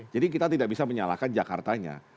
jadi kita tidak bisa menyalahkan jakartanya